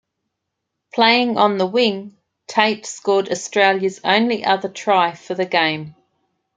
Playing on the wing, Tate scored Australia's only other try for the game.